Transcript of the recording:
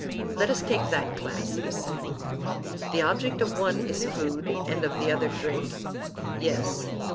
Let us take that class, he said. The object of one is food, and of the other drink? Yes.